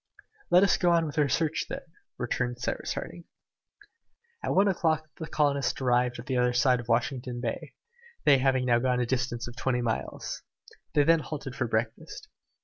"Let us go on with our search, then," returned Cyrus Harding. At one o'clock the colonists arrived at the other side of Washington Bay, they having now gone a distance of twenty miles. They then halted for breakfast.